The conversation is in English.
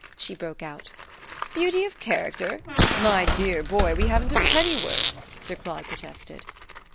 she broke out. "Beauty of character? My dear boy, we haven't a pennyworth!" Sir Claude protested.